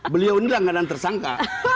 beliau ini langganan tersangka